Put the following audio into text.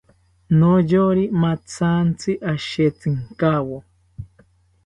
Noyori mathantzi ashetzinkawo